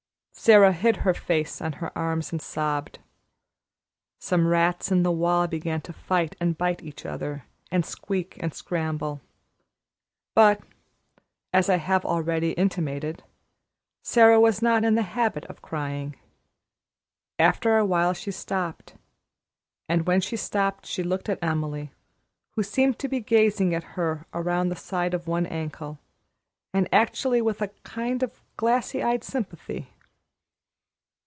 Sara hid her face on her arms and sobbed. Some rats in the wall began to fight and bite each other, and squeak and scramble. But, as I have already intimated, Sara was not in the habit of crying. After a while she stopped, and when she stopped she looked at Emily, who seemed to be gazing at her around the side of one ankle, and actually with a kind of glassy eyed sympathy.